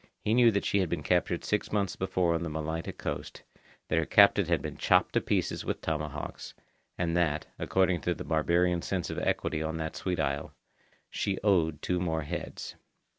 He knew that she had been captured six months before on the Malaita coast, that her captain had been chopped to pieces with tomahawks, and that, according to the barbarian sense of equity on that sweet isle, she owed two more heads.